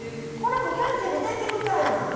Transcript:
こんなもんキャンセルできるかいな。